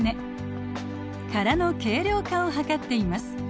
殻の軽量化を図っています。